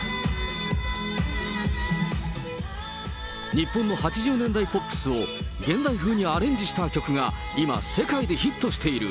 日本の８０年代ポップスを現代風にアレンジした曲が今、世界でヒットしている。